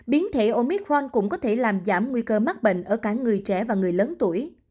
biến thể omicron cũng có thể làm giảm nguy cơ mắc bệnh ở cả người trẻ và người lớn tuổi